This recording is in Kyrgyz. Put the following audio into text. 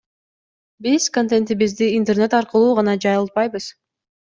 Биз контентибизди интернет аркылуу гана жайылтпайбыз.